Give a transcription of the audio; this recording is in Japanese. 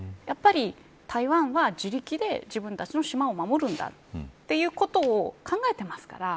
やっぱり台湾は自力で自分たちの島を守るんだということを考えてますから。